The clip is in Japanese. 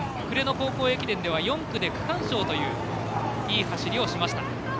暮れの高校駅伝では４区で区間賞といういい走りをしました。